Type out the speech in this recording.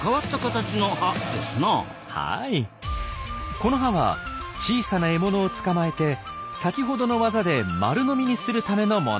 この歯は小さな獲物を捕まえて先ほどの技で丸飲みにするためのもの。